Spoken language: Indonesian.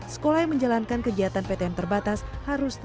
sekolah yang menjalankan kegiatan ptm terbatas harus